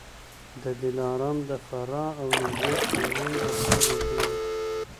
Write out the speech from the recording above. دلارام د فراه او نیمروز ترمنځ د پله غوندي دی.